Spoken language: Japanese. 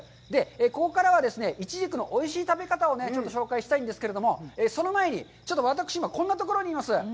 ここからはですね、いちじくのおいしい食べ方をちょっと紹介したいんですけれども、その前に、ちょっと私、今こんなところにいます。